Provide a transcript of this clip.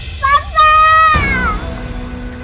sedang tidak aktif